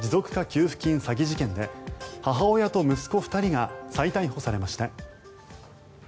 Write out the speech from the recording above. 給付金詐欺事件で母親と息子２人が再逮捕されました。